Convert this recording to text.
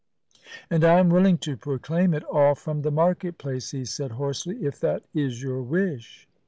"And I am willing to proclaim it all from the market place," he said hoarsely, "if that is your wish."